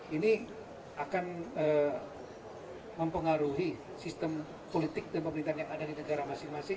ini akan mempengaruhi sistem politik dan pemerintahan yang ada di negara masing masing